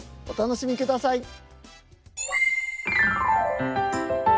お楽しみください。